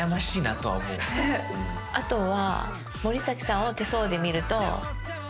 あとは。